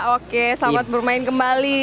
oke selamat bermain kembali